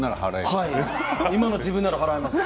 今の自分なら払えます。